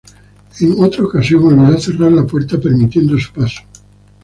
En otra ocasión, olvidó cerrar la puerta permitiendo su paso.